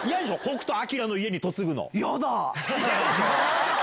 北斗晶の家に嫁ぐ嫌だ。